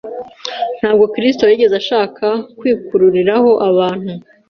Ntabwo Kristo yigeze ashaka kwikururiraho abantu